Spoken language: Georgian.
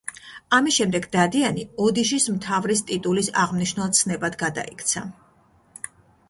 ამის შემდეგ „დადიანი“ ოდიშის მთავრის ტიტულის აღმნიშვნელ ცნებად გადაიქცა.